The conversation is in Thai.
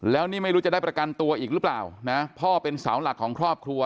แล้วนี่ไม่รู้จะได้ประกันตัวอีกหรือเปล่านะพ่อเป็นเสาหลักของครอบครัว